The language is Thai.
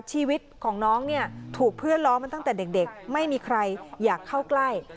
ชีวิตของน้องเนี่ยถูกเพื่อนล้อมาตั้งแต่เด็กไม่มีใครอยากเข้าใกล้